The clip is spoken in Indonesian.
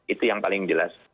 itu yang paling jelas